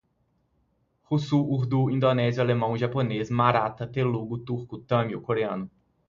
Russo, urdu, indonésio, alemão, japonês, marata, telugo, turco, tâmil, coreano